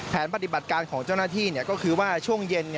ปฏิบัติการของเจ้าหน้าที่ก็คือว่าช่วงเย็น